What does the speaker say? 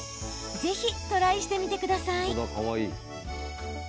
ぜひトライしてみてください。